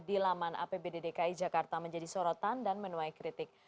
di laman apbd dki jakarta menjadi sorotan dan menuai kritik